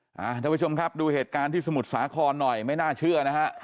ท่านผู้ชมครับดูเหตุการณ์ที่สมุทรสาครหน่อยไม่น่าเชื่อนะฮะ